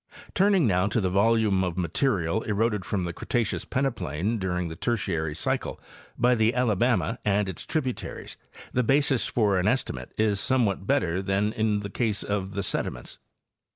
Turning now to the volume of material eroded from the Cre taceous peneplain during the Tertiary cycle by the Alabama and its tributaries, the basis for an estimate is somewhat better than in the case of the sediments.